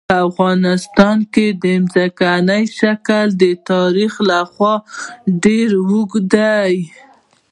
په افغانستان کې د ځمکني شکل تاریخ خورا ډېر اوږد دی.